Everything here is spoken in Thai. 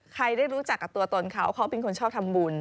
ใครได้รู้จักกับตัวตนเขาเขาเป็นคนชอบทำบุญ